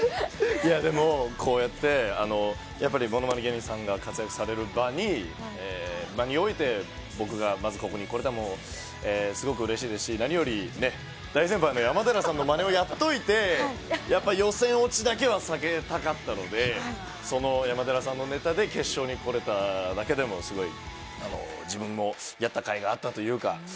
いやぁ、でも、こうやって、やっぱりものまね芸人さんが活躍される場において、僕がまず、ここに来れたのもすごくうれしいですし、何よりね、大先輩の山寺さんのまねをやっといて、やっぱ予選落ちだけは避けたかったので、その山寺さんのネタで決勝に来れただけでも、すごい自分もやったかいがあったというか。